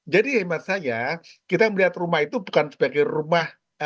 jadi khidmat saya kita melihat rumah itu bukan sebagai rumah